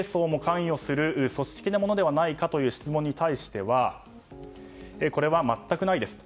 経営層も関与する組織的なものではないかという質問についてはこれは全くないです。